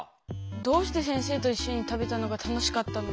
どうして先生といっしょに食べたのが楽しかったのか？